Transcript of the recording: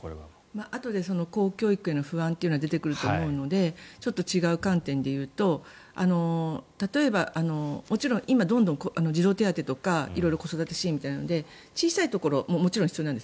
あとで公教育への不安というのは出てくると思うのでちょっと違う観点でいうと例えば、もちろん今どんどん児童手当とか色々子育て支援みたいなところで小さい頃はもちろん必要なんです。